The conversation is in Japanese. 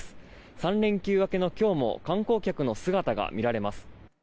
３連休明けの今日も観光客の姿が見られます